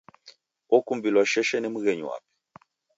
Okumbilwa sheshe ni mghenyu wape.